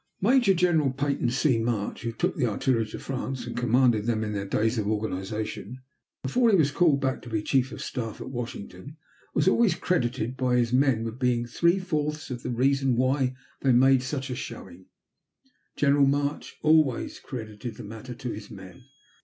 Major General Peyton C. March, who took the artillery to France and commanded them in their days of organization, before he was called back to be Chief of Staff at Washington, was always credited, by his men, with being three fourths of the reason why they made such a showing. General March always credited the matter to his men.